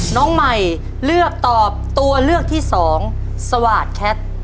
น้องใหม่เลือกตอบตัวเลือกที่สองสวาสตแคท